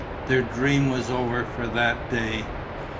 Their dream was over for that day.